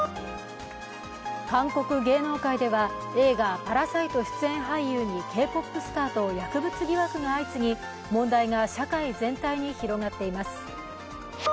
韓国芸能界では映画「パラサイト」出演俳優にＫ−ＰＯＰスターと薬物疑惑が相次ぎ問題が社会全体に広がっています。